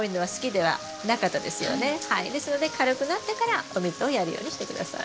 ですので軽くなってからお水をやるようにして下さい。